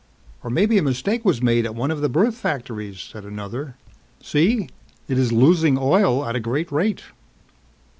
"Or maybe a mistake was made at one of the birth factories," said another. "See, it is losing oil at a great rate."